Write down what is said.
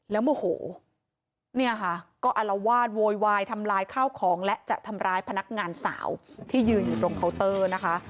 แล้วโมโหเนี่ยค่ะก็อารวาสโวยวายทำลายข้าวของและจะทำร้ายพนักงานสาวที่ยืนอยู่ตรงเคาน์เตอร์นะคะ